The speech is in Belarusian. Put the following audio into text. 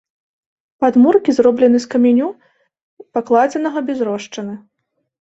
Падмуркі зроблены з каменю, пакладзенага без рошчыны.